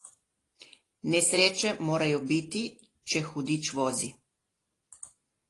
Nesreče morajo biti, če hudič vozi.